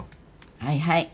はいはい。